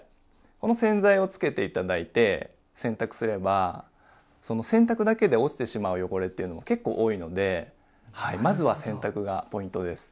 この洗剤をつけて頂いて洗濯すればその洗濯だけで落ちてしまう汚れっていうのも結構多いのでまずは洗濯がポイントです。